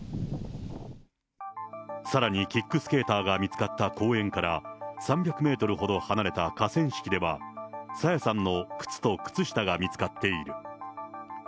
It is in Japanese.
さらにキックスケーターが見つかった公園から３００メートルほど離れた河川敷では、朝芽さんの靴と靴下が見つかっている。